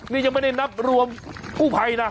นี่ยังไม่ได้รวมกู่ไภนะ